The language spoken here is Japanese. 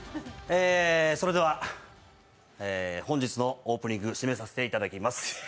それでは本日のオープニング、締めさせていただきます。